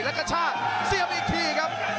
แล้วก็ช่างเสียบอีกทีครับ